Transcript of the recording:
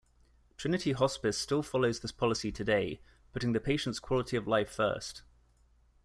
Trinity Hospice still follows this policy today, putting the patient's quality of life first.